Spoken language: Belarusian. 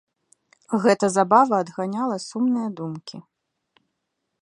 Гэта забава адганяла сумныя думкі.